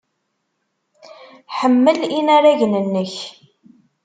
Ḥemmel inaragen-nnek.